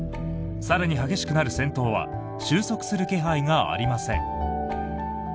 更に激しくなる戦闘は収束する気配がありません。